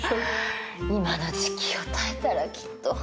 今の時期を耐えたらきっと。